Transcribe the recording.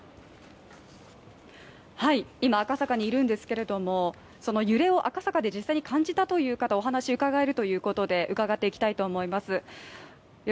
今、赤坂にいるんですけれども揺れを赤坂で実際に感じた方からお話伺えるということで伺っていきたいと思います。